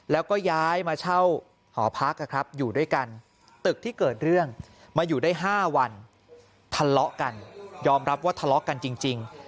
แล้วก็ย้ายมาเช่าหอพักอยู่ด้วยกันตึกที่เกิดเรื่องมาอยู่ได้๕วันทะเลาะกันยอมรับว่าทะเลาะกันจริง